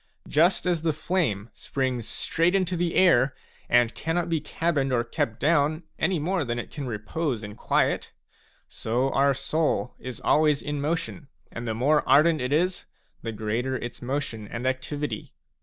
Just as the flame springs straight into the air and cannot be cabined or kept down any more than it can repose in quiet, so our soul is always in motion, and the more ardent it is, the greater its motion and activity.